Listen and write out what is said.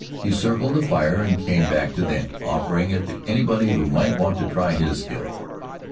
He circled the fire and came back to them, offering it to anybody who might want to try his skill.